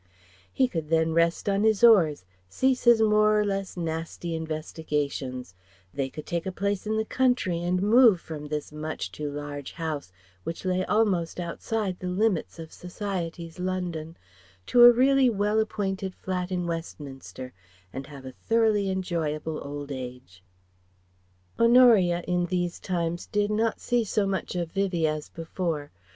He could then rest on his oars, cease his more or less nasty investigations; they could take a place in the country and move from this much too large house which lay almost outside the limits of Society's London to a really well appointed flat in Westminster and have a thoroughly enjoyable old age. Honoria in these times did not see so much of Vivie as before.